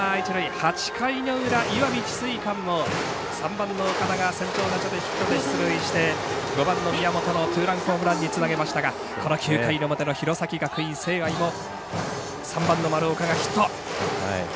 ８回の裏、石見智翠館を３番の岡田を先頭打者でヒットで出塁して５番の宮本のツーランホームランにつなぎましたが９回表、この弘前学院聖愛も３番の丸岡がヒット。